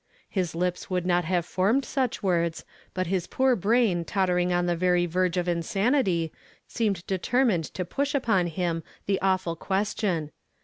His lips would not have formed sucli words, but his poor brain tot tering on the very verge of insanity seemed deter mmed to push upon him the awful question.